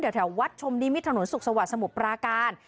ในแถวแถววัดชมนิมิตรถนนสุขสวัสดิ์สมปราการ